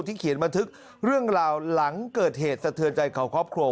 เขียนบันทึกเรื่องราวหลังเกิดเหตุสะเทือนใจของครอบครัว